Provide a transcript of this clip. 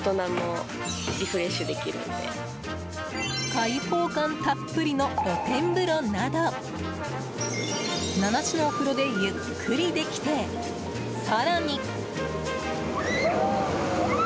開放感たっぷりの露天風呂など７種のお風呂でゆっくりできて更に。